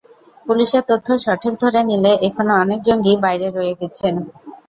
পুলিশের তথ্য সঠিক ধরে নিলে এখনো অনেক জঙ্গি বাইরে রয়ে গেছেন।